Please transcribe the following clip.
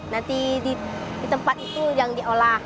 nanti di tempat itu yang diolah